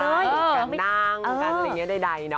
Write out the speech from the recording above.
การนั่งการอะไรอย่างนี้ใดเนอะ